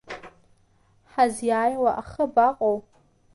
Ҳазиааиуа ахы абаҟоу?